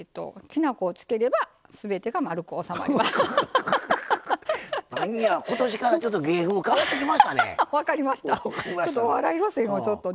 なんや、今年からちょっと芸風変わってきましたね。